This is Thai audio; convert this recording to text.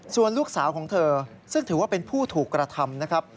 ส่วนลูกสาวของเธอซึ่งถือว่าเป็นผู้ถูกกระทำนะครับ